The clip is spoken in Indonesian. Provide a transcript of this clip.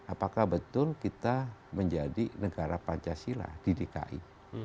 apakah betul kita menjadi negara pancasila di dki